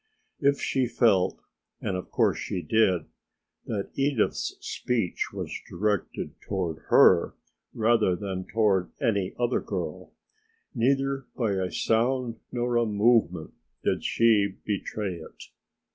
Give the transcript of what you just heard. If she felt, and of course she did, that Edith's speech was directed toward her rather than toward any other girl, neither by a sound nor a movement did she betray it.